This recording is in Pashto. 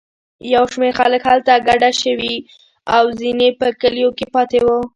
یو شمېر خلک هلته کډه شوي او ځینې په کلیو کې پاتې وو.